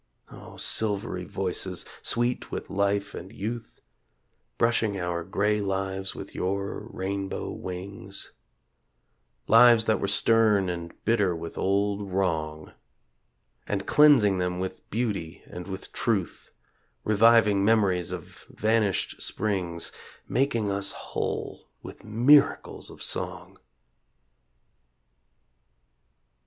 O, silvery voices, sweet with life and youth Brushing our grey lives with your rainbow wings Lives that were stern and bitter with old wrong, And cleansing them with beauty and with truth; Reviving memories of vanished springs Making us whole with miracles of song!